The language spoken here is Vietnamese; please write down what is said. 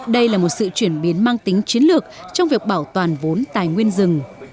đây là một sự chuyển biến mang tính chiến lược trong việc bảo toàn vốn tài nguyên rừng